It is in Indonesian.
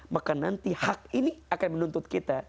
maka nanti hak ini akan menuntut kita